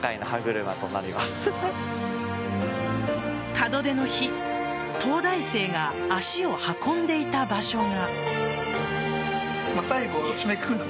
門出の日東大生が足を運んでいた場所が。